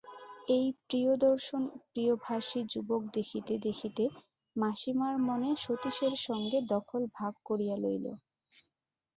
এই প্রিয়দর্শন প্রিয়ভাষী যুবক দেখিতে দেখিতে মাসিমার মনে সতীশের সঙ্গে দখল ভাগ করিয়া লইল।